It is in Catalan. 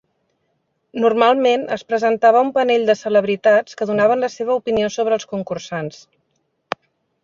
Normalment es presentava un panell de celebritats que donaven la seva opinió sobre els concursants.